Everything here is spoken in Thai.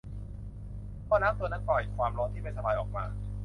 หม้อน้ำตัวนั้นปล่อยความร้อนที่ไม่สบายออกมา